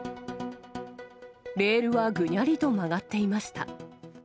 レールはぐにゃりと曲がっていました。